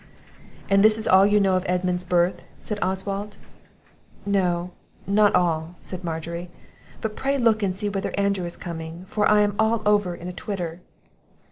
"And this is all you know of Edmund's birth?" said Oswald. "No, not all," said Margery; "but pray look out and see whether Andrew is coming, for I am all over in a twitter."